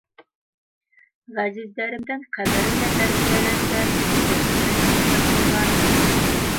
Ғәзиздәремдең ҡәбере лә тәрбиәләнгән, сәскә лә ултыртылған.